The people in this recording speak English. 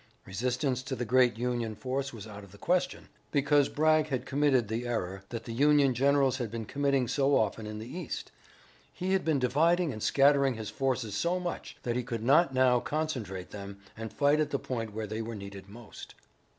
Resistance to the great Union force was out of the question, because Bragg had committed the error that the Union generals had been committing so often in the east. He had been dividing and scattering his forces so much that he could not now concentrate them and fight at the point where they were needed most.